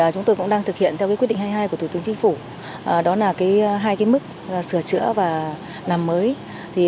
chúng tôi cũng đang thực hiện theo quyết định hai mươi hai của thủ tướng chính phủ đó là hai mức sửa chữa và làm mới